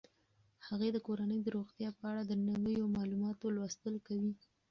هغې د کورنۍ د روغتیا په اړه د نویو معلوماتو لوستل کوي.